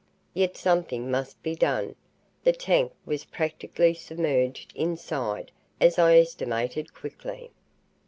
Yet something must be done. The tank was practically submerged inside, as I estimated quickly.